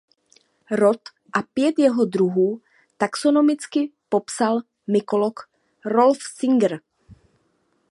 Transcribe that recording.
Rod a pět jeho druhů taxonomicky popsal mykolog Rolf Singer.